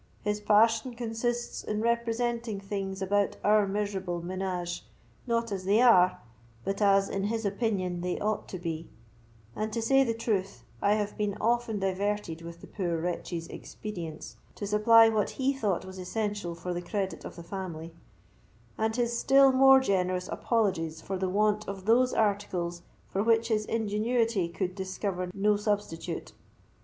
His passion consists in representing things about our miserable menage, not as they are, but as, in his opinion, they ought to be; and, to say the truth, I have been often diverted with the poor wretch's expedients to supply what he thought was essential for the credit of the family, and his still more generous apologies for the want of those articles for which his ingenuity could discover no substitute.